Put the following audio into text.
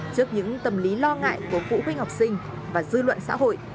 trước những tâm lý lo ngại của phụ huynh học sinh và dư luận xã hội